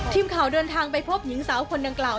ทีมข่าวเดินทางไปพบหญิงสาวคนดังกล่าว